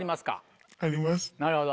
なるほど。